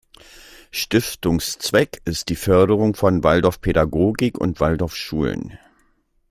Stiftungszweck ist die Förderung von Waldorfpädagogik und Waldorfschulen.